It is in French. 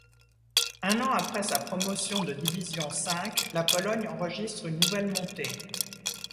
Un an après sa promotion de Division V, la Pologne enregistre une nouvelle montée.